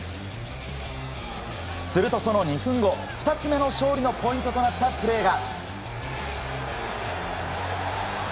すると、その２分後２つ目の勝利のポイントとなったプレーが。